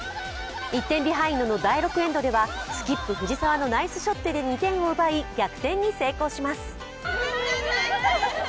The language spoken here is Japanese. １点ビハインドの第６エンドではスキップ・藤澤のナイスショットで２点を奪い、逆転に成功します。